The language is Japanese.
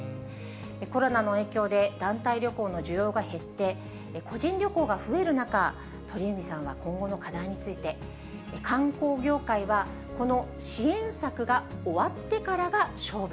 コロナの影響で団体旅行の需要が減って、個人旅行が増える中、鳥海さんは今後の課題について、観光業界は、この支援策が終わってからが勝負。